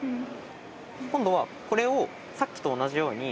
今度はこれをさっきと同じように。